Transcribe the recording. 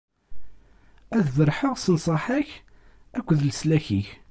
Ad berrḥeɣ s nnṣaḥa-k akked leslak-ik.